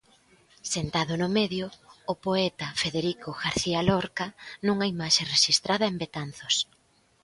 Sentado no medio, o poeta Federico García Lorca, nunha imaxe rexistrada en Betanzos.